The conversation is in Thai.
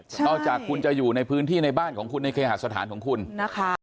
นอกจากคุณจะอยู่ในพื้นที่ในบ้านของคุณในเคหาสถานของคุณนะคะ